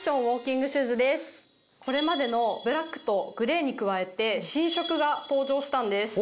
これまでのブラックとグレーに加えて新色が登場したんです。